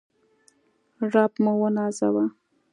رب موونازوه